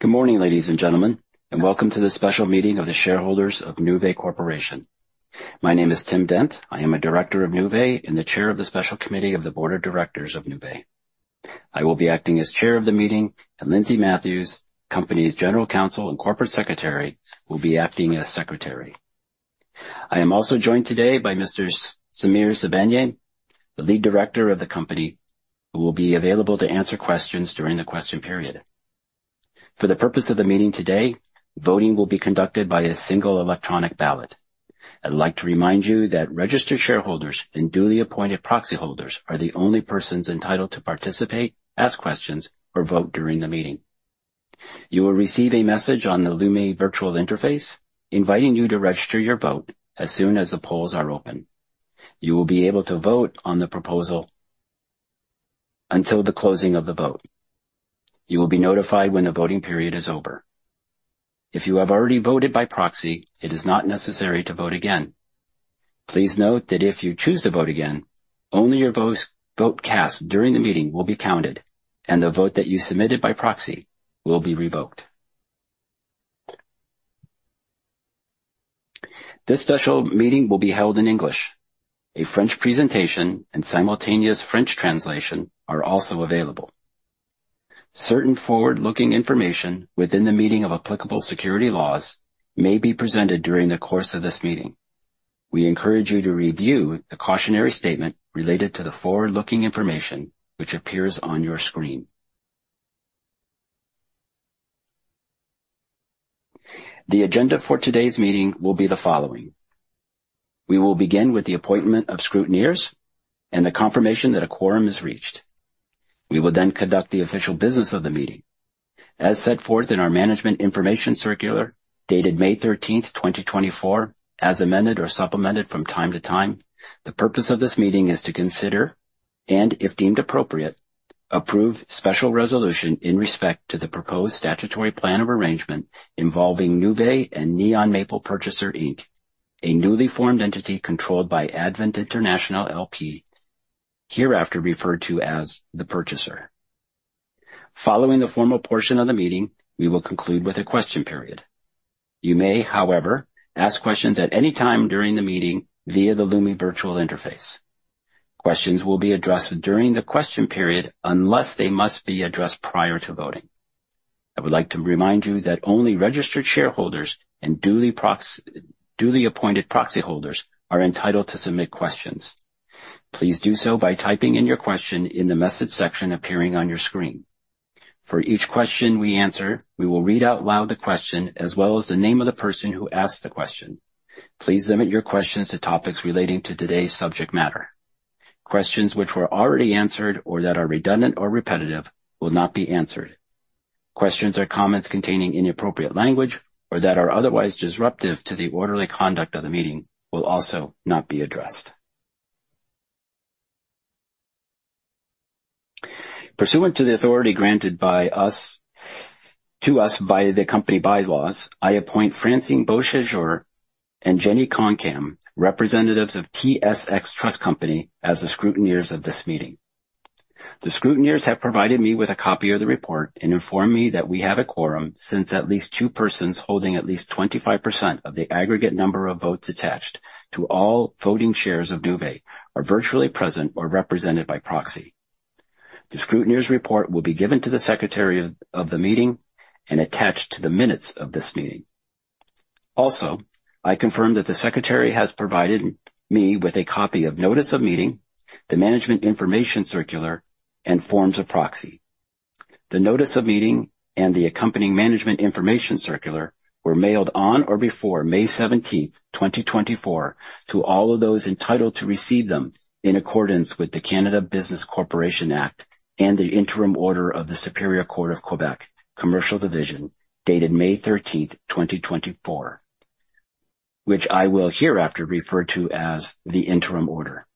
Good morning, ladies and gentlemen, and welcome to the special meeting of the shareholders of Nuvei Corporation. My name is Tim Dent. I am a Director of Nuvei and the Chair of the Special Committee of the Board of Directors of Nuvei. I will be acting as Chair of the meeting, and Lindsay Matthews, company's General Counsel and Corporate Secretary, will be acting as Secretary. I am also joined today by Mr. Samir Zabaneh, the Lead Director of the company, who will be available to answer questions during the question period. For the purpose of the meeting today, voting will be conducted by a single electronic ballot. I'd like to remind you that registered shareholders and duly appointed proxy holders are the only persons entitled to participate, ask questions, or vote during the meeting. You will receive a message on the Lumi Virtual Interface, inviting you to register your vote as soon as the polls are open. You will be able to vote on the proposal until the closing of the vote. You will be notified when the voting period is over. If you have already voted by proxy, it is not necessary to vote again. Please note that if you choose to vote again, only your vote cast during the meeting will be counted, and the vote that you submitted by proxy will be revoked. This special meeting will be held in English. A French presentation and simultaneous French translation are also available. Certain forward-looking information within the meaning of applicable securities laws may be presented during the course of this meeting. We encourage you to review the cautionary statement related to the forward-looking information which appears on your screen. The agenda for today's meeting will be the following. We will begin with the appointment of scrutineers and the confirmation that a quorum is reached. We will then conduct the official business of the meeting. As set forth in our Management Information Circular, dated May 13th, 2024, as amended or supplemented from time to time, the purpose of this meeting is to consider and, if deemed appropriate, approve special resolution in respect to the proposed statutory plan of arrangement involving Nuvei and Neon Maple Purchaser, Inc., a newly formed entity controlled by Advent International LP, hereafter referred to as the Purchaser. Following the formal portion of the meeting, we will conclude with a question period. You may, however, ask questions at any time during the meeting via the Lumi Virtual Interface. Questions will be addressed during the question period, unless they must be addressed prior to voting. I would like to remind you that only registered shareholders and duly appointed proxy holders are entitled to submit questions. Please do so by typing in your question in the message section appearing on your screen. For each question we answer, we will read out loud the question as well as the name of the person who asked the question. Please limit your questions to topics relating to today's subject matter. Questions which were already answered or that are redundant or repetitive will not be answered. Questions or comments containing inappropriate language or that are otherwise disruptive to the orderly conduct of the meeting will also not be addressed. Pursuant to the authority granted to us by the company bylaws, I appoint Francine Beauchesne and Jenny Konkam, representatives of TSX Trust Company, as the scrutineers of this meeting. The scrutineers have provided me with a copy of the report and informed me that we have a quorum since at least two persons holding at least 25% of the aggregate number of votes attached to all voting shares of Nuvei are virtually present or represented by proxy. The scrutineers report will be given to the secretary of the meeting and attached to the minutes of this meeting. Also, I confirm that the secretary has provided me with a copy of Notice of Meeting, the Management Information Circular, and Forms of Proxy. The Notice of Meeting and the accompanying Management Information Circular were mailed on or before May 17th, 2024, to all of those entitled to receive them in accordance with the Canada Business Corporations Act and the interim order of the Superior Court of Quebec, Commercial Division, dated May 13th, 2024, which I will hereafter refer to as the interim order.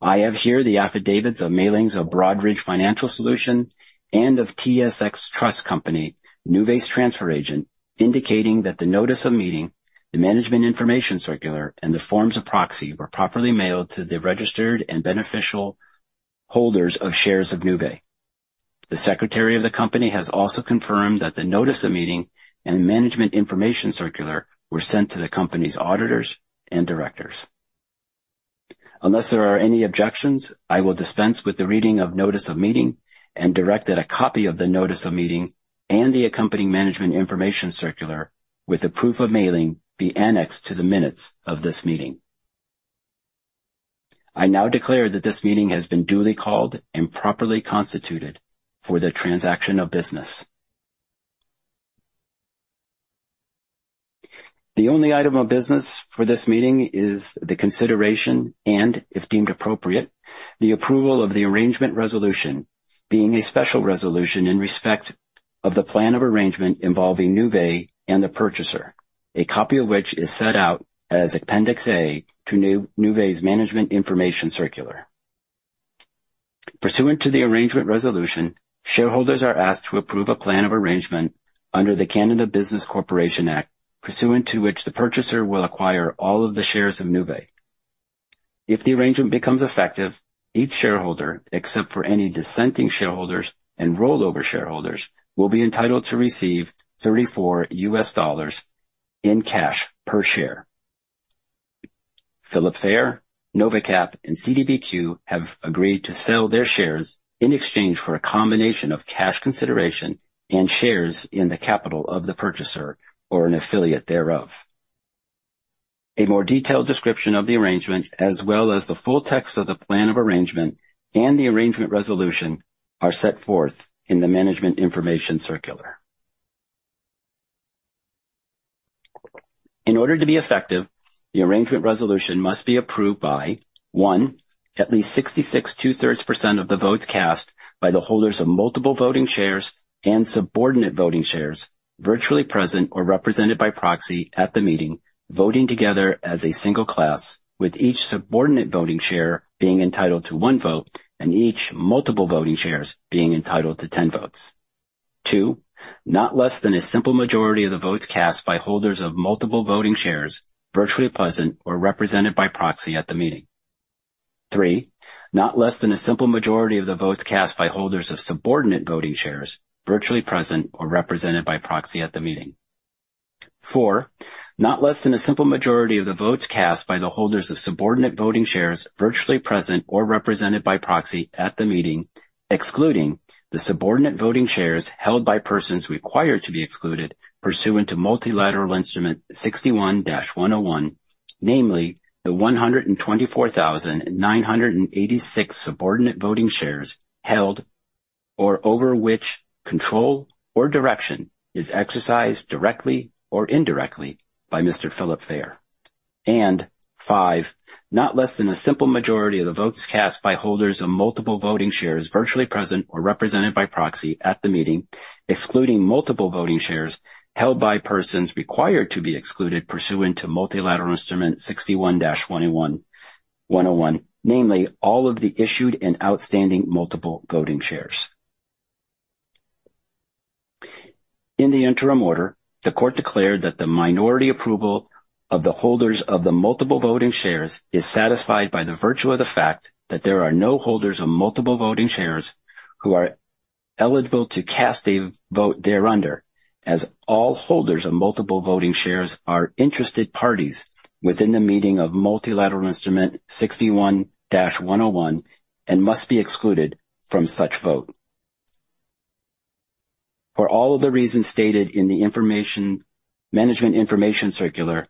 I have here the affidavits of mailings of Broadridge Financial Solutions and of TSX Trust Company, Nuvei's transfer agent, indicating that the Notice of Meeting, the Management Information Circular, and the forms of proxy, were properly mailed to the registered and beneficial holders of shares of Nuvei. The Secretary of the company has also confirmed that the Notice of Meeting and Management Information Circular were sent to the company's Auditors and Directors. Unless there are any objections, I will dispense with the reading of Notice of Meeting and direct that a copy of the Notice of Meeting and the accompanying Management Information Circular, with the proof of mailing, be annexed to the minutes of this meeting. I now declare that this meeting has been duly called and properly constituted for the transaction of business. The only item of business for this meeting is the consideration and, if deemed appropriate, the approval of the arrangement resolution, being a special resolution in respect of the plan of arrangement involving Nuvei and the Purchaser, a copy of which is set out as Appendix A to Nuvei's Management Information Circular. Pursuant to the arrangement resolution, shareholders are asked to approve a plan of arrangement under the Canada Business Corporations Act, pursuant to which the Purchaser will acquire all of the shares of Nuvei. If the arrangement becomes effective, each shareholder, except for any dissenting shareholders and rollover shareholders, will be entitled to receive $34 in cash per share. Philip Fayer, Novacap, and CDPQ, have agreed to sell their shares in exchange for a combination of cash consideration and shares in the capital of the Purchaser or an affiliate thereof. A more detailed description of the arrangement, as well as the full text of the plan of arrangement and the arrangement resolution, are set forth in the Management Information Circular. In order to be effective, the arrangement resolution must be approved by, one, at least 66 2/3% of the votes cast by the holders subordinate voting shares, virtually present or represented by proxy at the meeting, voting together as a single class, with each subordinate voting share being entitled to one vote and multiple voting shares being entitled to 10 votes. Two, not less than a simple majority of the votes cast by holders multiple voting shares, virtually present or represented by proxy at the meeting. Three, not less than a simple majority of the votes cast by holders subordinate voting shares, virtually present or represented by proxy at the meeting. Four, not less than a simple majority of the votes cast by the holders subordinate voting shares, virtually present or represented by proxy at the meeting, excluding subordinate voting shares held by persons required to be excluded pursuant to Multilateral Instrument 61-101, namely, the subordinate voting shares held or over which control or direction is exercised directly or indirectly by Mr. Philip Fayer. And five, not less than a simple majority of the votes cast by holders multiple voting shares, virtually present or represented by proxy at the meeting, multiple voting shares held by persons required to be excluded pursuant to Multilateral Instrument 61-101, namely, all of the issued and outstanding multiple voting shares. In the interim order, the court declared that the minority approval of the holders of multiple voting shares is satisfied by virtue of the fact that there are no holders multiple voting shares who are eligible to cast a vote thereunder, as all holders multiple voting shares are interested parties within the meaning of Multilateral Instrument 61-101, and must be excluded from such vote. For all of the reasons stated in the Management Information Circular,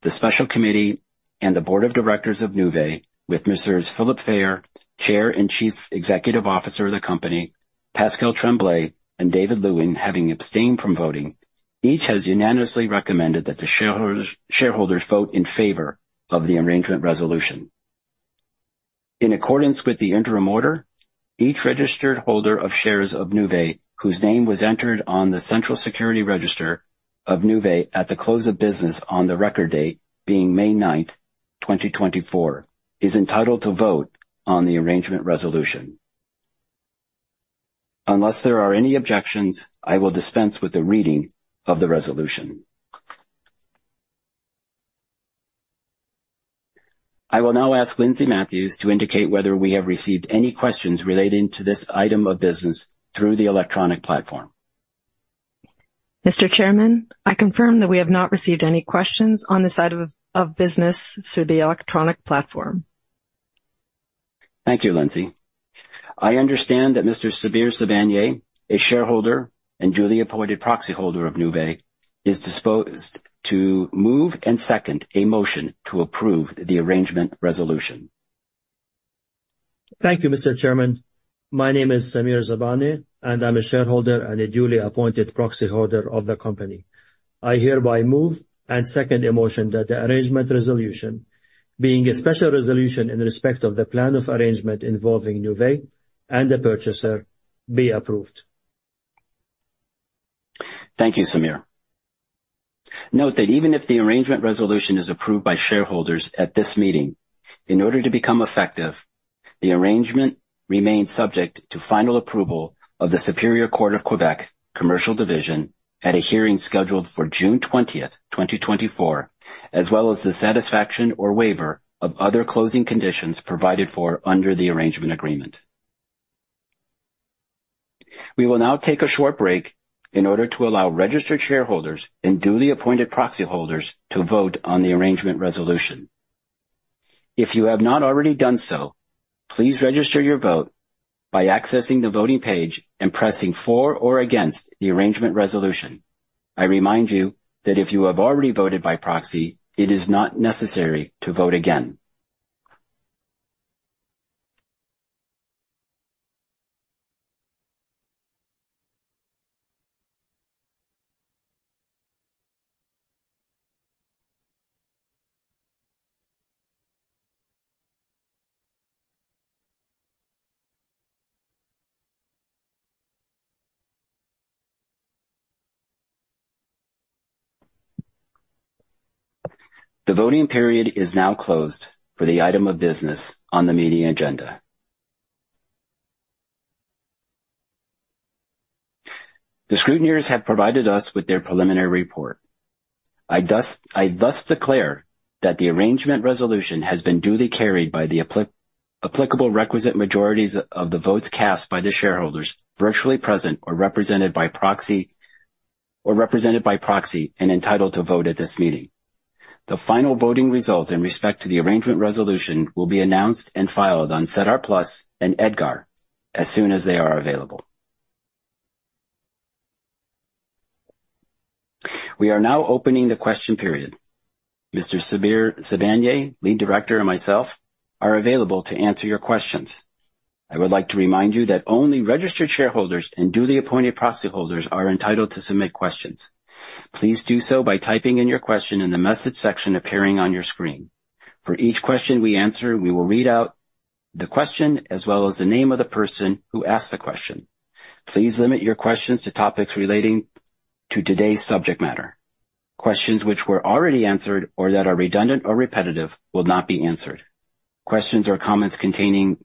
the Special Committee and the Board of Directors of Nuvei, with Messrs. Philip Fayer, Chair and Chief Executive Officer of the company, Pascal Tremblay and David Lewin, having abstained from voting, each has unanimously recommended that the shareholders vote in favor of the arrangement resolution. In accordance with the interim order, each registered holder of shares of Nuvei, whose name was entered on the central security register of Nuvei at the close of business on the record date, being May 9th, 2024, is entitled to vote on the arrangement resolution. Unless there are any objections, I will dispense with the reading of the resolution. I will now ask Lindsay Matthews to indicate whether we have received any questions relating to this item of business through the electronic platform. Mr. Chairman, I confirm that we have not received any questions on this item of business through the electronic platform. Thank you, Lindsay. I understand that Mr. Samir Zabaneh, a shareholder and duly appointed proxy holder of Nuvei, is disposed to move and second a motion to approve the arrangement resolution. Thank you, Mr. Chairman. My name is Samir Zabaneh, and I'm a shareholder and a duly appointed proxy holder of the company. I hereby move and second a motion that the arrangement resolution, being a special resolution in respect of the plan of arrangement involving Nuvei and the Purchaser, be approved. Thank you, Samir. Note that even if the arrangement resolution is approved by shareholders at this meeting, in order to become effective, the arrangement remains subject to final approval of the Superior Court of Quebec, Commercial Division at a hearing scheduled for June 20th, 2024, as well as the satisfaction or waiver of other closing conditions provided for under the arrangement agreement. We will now take a short break in order to allow registered shareholders and duly appointed proxy holders to vote on the arrangement resolution. If you have not already done so, please register your vote by accessing the voting page and pressing for or against the arrangement resolution. I remind you that if you have already voted by proxy, it is not necessary to vote again. The voting period is now closed for the item of business on the meeting agenda. The scrutineers have provided us with their preliminary report. I thus, I thus declare that the arrangement resolution has been duly carried by the applicable requisite majorities of the votes cast by the shareholders virtually present or represented by proxy, or represented by proxy, and entitled to vote at this meeting. The final voting results in respect to the arrangement resolution will be announced and filed on SEDAR+ and EDGAR as soon as they are available. We are now opening the question period. Mr. Samir Zabaneh, Lead Director, and myself, are available to answer your questions. I would like to remind you that only registered shareholders and duly appointed proxy holders are entitled to submit questions. Please do so by typing in your question in the message section appearing on your screen. For each question we answer, we will read out the question as well as the name of the person who asked the question. Please limit your questions to topics relating to today's subject matter. Questions which were already answered or that are redundant or repetitive will not be answered. Questions or comments containing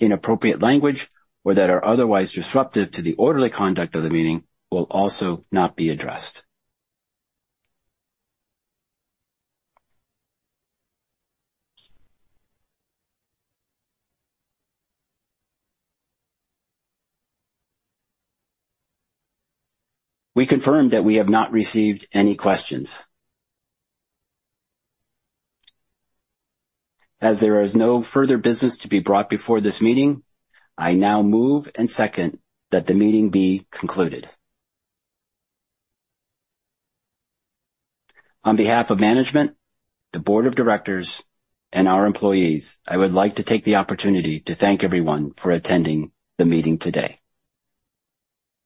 inappropriate language or that are otherwise disruptive to the orderly conduct of the meeting will also not be addressed. We confirm that we have not received any questions. As there is no further business to be brought before this meeting, I now move and second that the meeting be concluded. On behalf of management, the Board of Directors, and our employees, I would like to take the opportunity to thank everyone for attending the meeting today.